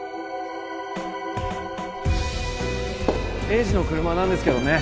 栄治の車なんですけどね